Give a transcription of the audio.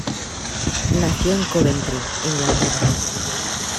Nació en Coventry, Inglaterra.